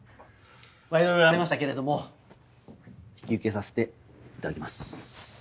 まぁいろいろありましたけれども引き受けさせていただきます。